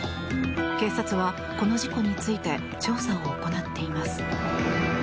警察は、この事故について調査を行っています。